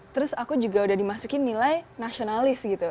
terus aku juga udah dimasukin nilai nasionalis gitu